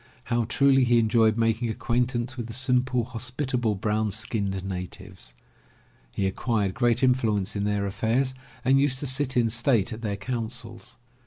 How truly he enjoyed making acquaintance with the simple, hospitable, brown skinned natives. He acquired great influence in their affairs and used to sit in state at their councils.